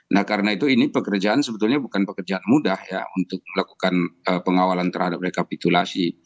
nah karena itu ini pekerjaan sebetulnya bukan pekerjaan mudah ya untuk melakukan pengawalan terhadap rekapitulasi